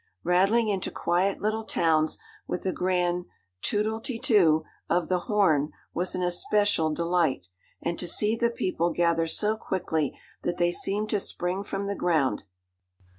Rattling into quiet little towns with a grand 'tootle te too' of the horn was an especial delight, and to see the people gather so quickly that they seemed to spring from the ground.